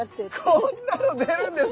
こんなの出るんですね。